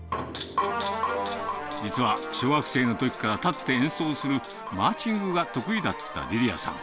実は、小学生のときから立って演奏するマーチングが得意だったりりあさん。